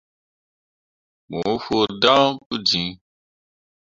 Mo fõo dan pu jiŋ.